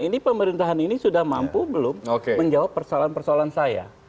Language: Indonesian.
ini pemerintahan ini sudah mampu belum menjawab persoalan persoalan saya